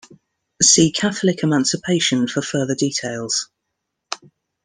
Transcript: See Catholic emancipation for further details.